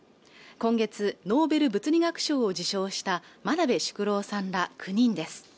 今月ノーベル物理学賞を受賞した真鍋淑郎さんら９人です